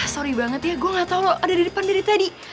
sorry banget ya gue gak tau lo ada di depan dari tadi